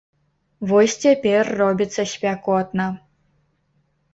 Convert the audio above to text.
Вось цяпер робіцца спякотна.